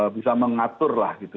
bisa mengatur lah gitu